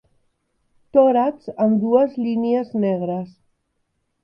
Tòrax amb dues línies negres.